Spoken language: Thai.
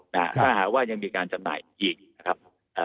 ถ้าหากว่ายังมีการจำหน่ายอีกนะครับเอ่อ